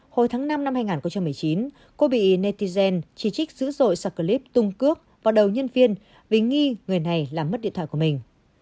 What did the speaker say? hồi tháng năm năm hai nghìn một mươi chín cô bị netigen chỉ trích dữ dội sau clip tung cước vào đầu nhân viên vì nghi người này làm mất điện thoại của mình